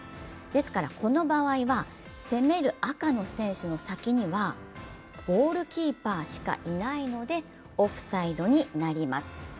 ですからこの場合は、攻める赤の選手の先にはゴールキーパーしかいないのでオフサイドになります。